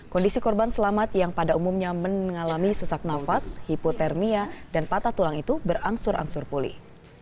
kondisi korban selamat yang pada umumnya mengalami sesak nafas hipotermia dan patah tulang itu berangsur angsur pulih